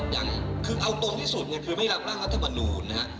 อย่างคือเอาตรงที่สุดเนี่ยคือไม่รับร่างรัฐมนูลนะฮะ